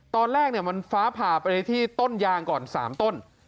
ตอนแรกมันฟ้าผ่าไปที่ต้นยางก่อน๓ต้น